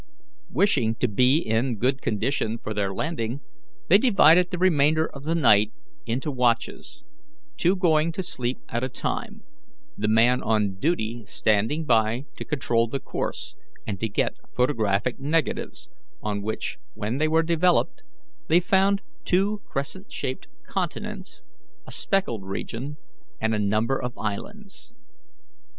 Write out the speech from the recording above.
Wishing to be in good condition for their landing, they divided the remainder of the night into watches, two going to sleep at a time, the man on duty standing by to control the course and to get photographic negatives, on which, when they were developed, they found two crescent shaped continents, a speckled region, and a number of islands.